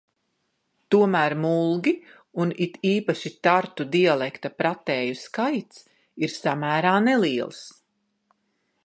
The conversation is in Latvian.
Tomēr mulgi un it īpaši tartu dialekta pratēju skaits ir samērā neliels.